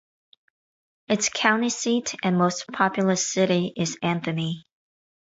Its county seat and most populous city is Anthony.